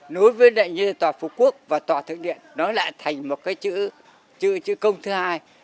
nối với lại như là tòa phục quốc và tòa thượng điện nó lại thành một cái chữ công thứ hai